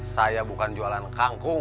saya bukan jualan kangkung